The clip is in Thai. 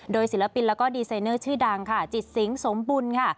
โดยศิลปินแล้วก็ดีไซเนอร์ชื่อดังค่ะจิตสิงสมบุญค่ะ